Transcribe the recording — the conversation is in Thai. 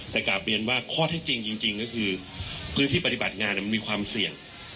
แต่กลับเรียนว่าข้อที่จริงก็คือพื้นที่ปฏิบัติงานมันมีความเสี่ยง